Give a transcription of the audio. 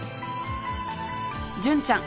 純ちゃん